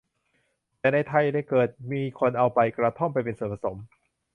แต่ในไทยเกิดมีคนเอาใบกระท่อมไปเป็นส่วนผสม